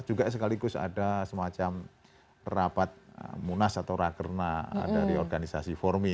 juga sekaligus ada semacam rapat munas atau rakerna dari organisasi formi